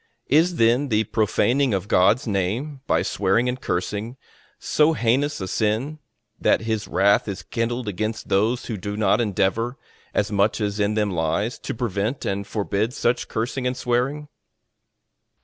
Is then the profaning of God's name, by swearing and cursing, so heinous a sin, that his wrath is kindled against those who do not endeavour, as much as in them lies, to prevent and forbid such cursing and swearing?